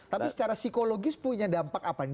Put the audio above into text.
tapi secara psikologis punya dampak apa nih